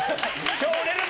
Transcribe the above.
今日、売れるぞ！